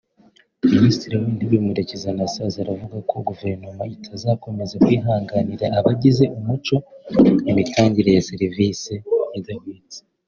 Minisitiri w’Intebe Murekezi Anastase aravuga ko Guverinoma itazakomeza kwihanganira abagize umuco imitangire ya serivisi idahwitse